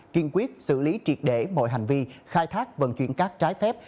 kiên quyết xử lý triệt để mọi hành vi khai thác vận chuyển cát trái phép